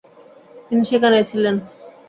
তিনি সেখানেই ছিলেন।